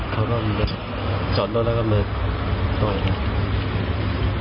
เขาร่วมจอดรถแล้วก็เบิกปล่อยนะ